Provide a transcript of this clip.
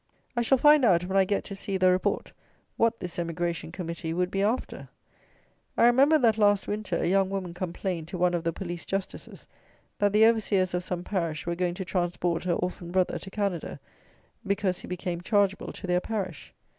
I shall find out, when I can get to see the report, what this "Emigration Committee" would be after. I remember that, last winter, a young woman complained to one of the Police Justices that the Overseers of some parish were going to transport her orphan brother to Canada, because he became chargeable to their parish!